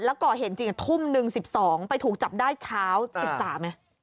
แล้วก็เห็นจริงทุ่มหนึ่ง๑๒ไปถูกจับได้เช้า๑๓เนี่ย